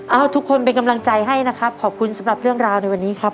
เอาทุกคนเป็นกำลังใจให้นะครับขอบคุณสำหรับเรื่องราวในวันนี้ครับ